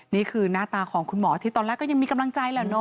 นี่คือหน้าตาของคุณหมอที่ตอนแรกก็ยังมีกำลังใจแหละเนอ